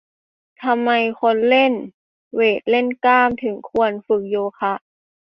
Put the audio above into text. ทำไมคนเล่นเวต เล่นกล้าม ถึงควรฝึกโยคะ